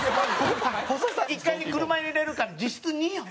１階に車入れるから実質２よ。